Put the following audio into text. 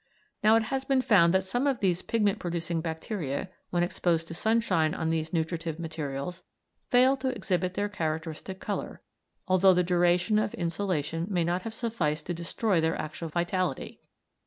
Now it has been found that some of these pigment producing bacteria, when exposed to sunshine on these nutritive materials, fail to exhibit their characteristic colour, although the duration of insolation may not have sufficed to destroy their actual vitality.